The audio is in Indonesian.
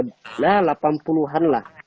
tapi sekarang sudah delapan puluh an lah